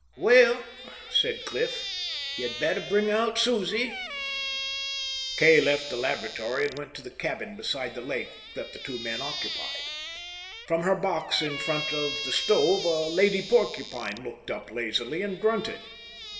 "Well," said Cliff, "you'd better bring out Susie." Kay left the laboratory and went to the cabin beside the lake that the two men occupied. From her box in front of the stove a lady porcupine looked up lazily and grunted.